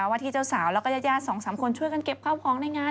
ว่าที่เจ้าสาวแล้วก็ยาด๒๓คนช่วยกันเก็บครอบครองในงาน